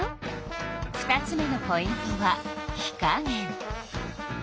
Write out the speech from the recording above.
２つ目のポイントは火加減。